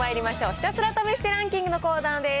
ひたすら試してランキングのコーナーです。